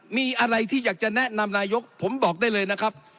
มีอะไรที่อยากจะแนะนำนายกผมบอกได้เลยนะครับ